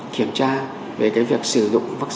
kiểm tra về việc sử dụng vaccine đảm bảo an toàn tiêm chủng